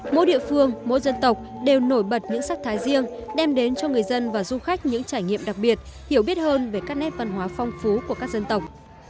mỗi địa phương mỗi dân tộc đều nổi bật những sắc thái riêng đem đến cho người dân và du khách những trải nghiệm đặc biệt hiểu biết hơn về các nét văn hóa phong phú của các dân tộc